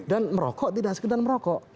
dan merokok tidak sekedar merokok